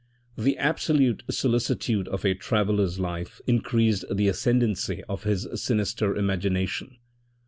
The absolute solicitude of a traveller's life increased the ascendancy of this sinister imagination.